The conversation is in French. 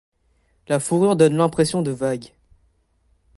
La fourrure donne l'impression de vagues.